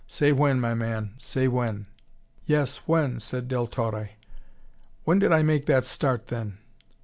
Say when, my man, say when!" "Yes, when," said Del Torre. "When did I make that start, then?"